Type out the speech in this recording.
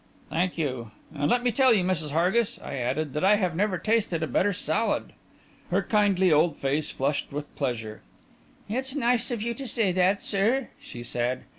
"Thank you. And let me tell you, Mrs. Hargis," I added, "that I have never tasted a better salad." Her kindly old face flushed with pleasure. "It's nice of you to say that, sir," she said.